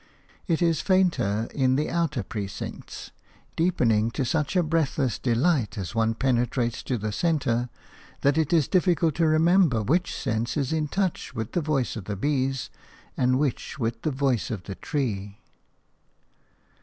It is fainter in the outer precincts, deepening to such a breathless delight as one penetrates to the centre that it is difficult to remember which sense is in touch with the voice of the bees and which with the voice of the tree.